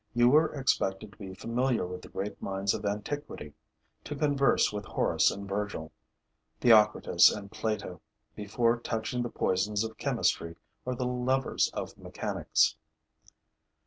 You were expected to be familiar with the great minds of antiquity, to converse with Horace and Virgil, Theocritus and Plato, before touching the poisons of chemistry or the levers of mechanics.